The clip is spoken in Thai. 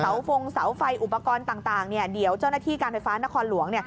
ฟงเสาไฟอุปกรณ์ต่างเดี๋ยวเจ้าหน้าที่การไฟฟ้านครหลวง